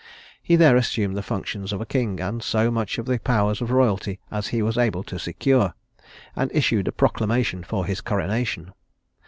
He there assumed the functions of a king, and so much of the powers of royalty as he was able to secure, and issued a proclamation for his coronation.